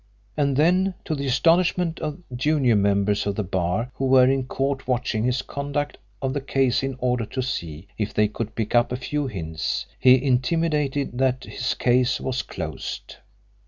And then, to the astonishment of junior members of the bar who were in court watching his conduct of the case in order to see if they could pick up a few hints, he intimated that his case was closed.